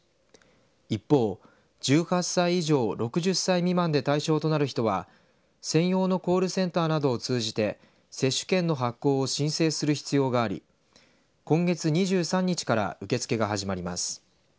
一方、１８歳以上６０歳未満で対象となる人は専用のコールセンターなどを通じて接種券の発行を申請する必要があり今月２３日から受け付けが始まります。